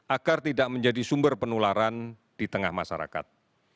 agar tidak menjadi sumber penularan di tengah masyarakat